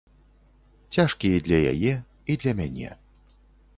Цяжкі і для яе, і для мяне.